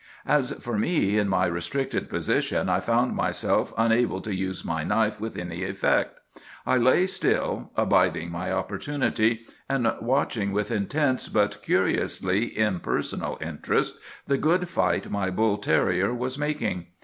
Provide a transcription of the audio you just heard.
As for me, in my restricted position, I found myself unable to use my knife with any effect. I lay still, abiding my opportunity, and watching with intense but curiously impersonal interest the good fight my bull terrier was making.